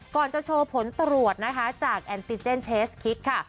จะโชว์ผลตรวจนะคะจากแอนติเจนเทสคิกค่ะ